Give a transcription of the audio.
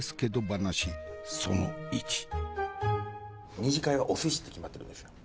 ２次会はお寿司って決まってるんですよ。